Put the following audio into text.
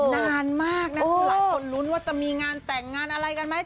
นานมากนะคือหลายคนลุ้นว่าจะมีงานแต่งงานอะไรกันไหม